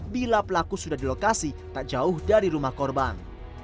bila pelaku sudah di lokasi tak jauh dari rumah korban